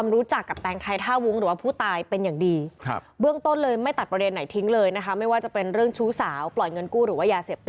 ทุกคนลูกชาย